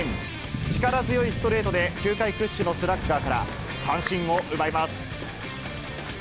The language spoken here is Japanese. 力強いストレートで、球界屈指のスラッガーから三振を奪います。